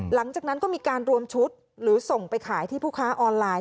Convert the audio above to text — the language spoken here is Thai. หลังจากนั้นก็มีการรวมชุดหรือส่งไปขายที่ผู้ค้าออนไลน์